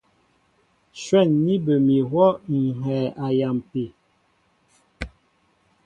Shwɛ̂n ní bə mi ihwɔ́ ŋ̀ hɛɛ a yampi.